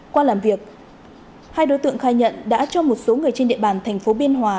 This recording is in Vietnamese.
qua làm việc hai đối tượng khai nhận đã cho một số người trên địa bàn thành phố biên hòa